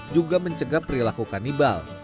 juga mencegah perilaku kanibal